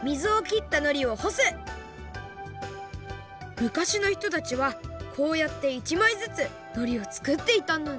むかしのひとたちはこうやって１まいずつのりをつくっていたんだね。